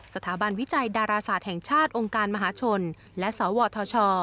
สถาบันวิจัยดาราศาสตร์แห่งชาติองค์การมหาชนและสวทช